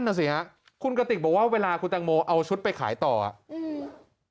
น่ะสิฮะคุณกติกบอกว่าเวลาคุณตังโมเอาชุดไปขายต่ออ่ะอืม